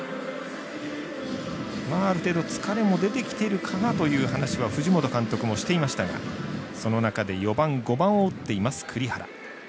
ある程度、疲れも出てきてるかなという話は藤本監督もしていましたがその中で４番、５番を打っています栗原。